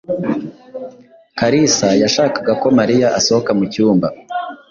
Kalisa yashakaga ko Mariya asohoka mu cyumba.